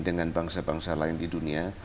dengan bangsa bangsa lain di dunia